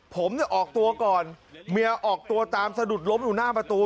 ผมเนี่ยออกตัวก่อนเมียออกตัวตามสะดุดล้มอยู่หน้าประตู